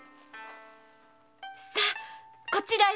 さあこちらへ。